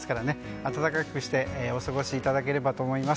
暖かくしてお過ごしいただければと思います。